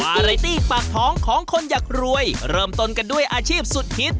ไรตี้ปากท้องของคนอยากรวยเริ่มต้นกันด้วยอาชีพสุดฮิต